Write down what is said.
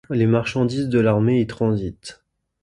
Les marchandises de l'armée y transitent.